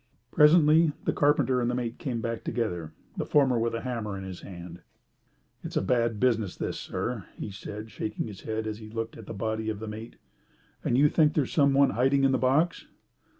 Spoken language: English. Presently the carpenter and the mate came back together, the former with a hammer in his hand. "It's a bad business, this, sir," said he, shaking his head, as he looked at the body of the mate. "And you think there's someone hiding in the box?"